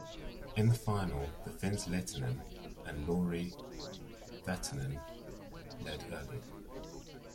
In the final, the Finns Lehtinen and Lauri Virtanen led early.